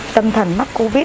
tâm thần mắc covid